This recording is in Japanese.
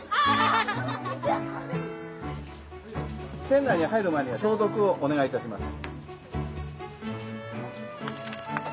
店内に入る前には消毒をお願いいたします。